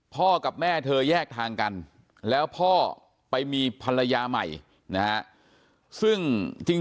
กับแม่เธอแยกทางกันแล้วพ่อไปมีภรรยาใหม่นะฮะซึ่งจริง